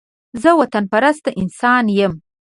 زه وطن پرست انسان يم